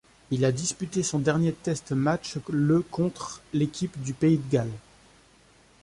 Il a disputé son dernier test match le contre l'équipe du pays de Galles.